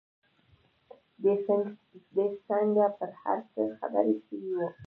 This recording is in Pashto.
دى څنگه پر هر څه خبر سوى و.